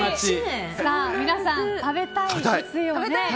皆さん、食べたいですよね。